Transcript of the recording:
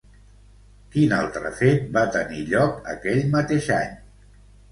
Quin altre fet va tenir lloc aquell mateix any?